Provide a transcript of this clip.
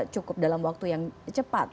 cukup dalam waktu yang cepat